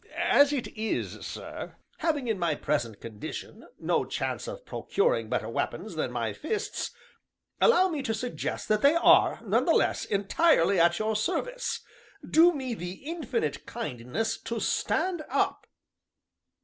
As it is, sir, having, in my present condition, no chance of procuring better weapons than my fists, allow me to suggest that they are, none the less, entirely at your service; do me the infinite kindness to stand up."